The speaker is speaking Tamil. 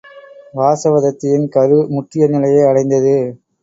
வாசவதத்தையின் கரு முற்றிய நிலையை அடைந்தது.